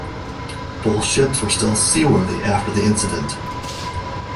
Both ships were still seaworthy after the incident.